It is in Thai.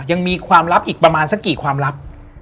ยังมีความลับอีกประมาณสักกี่ความลับ